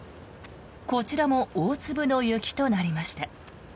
こちらも大粒の雪となりました。